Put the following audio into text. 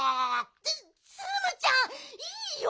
ツムちゃんいいよ！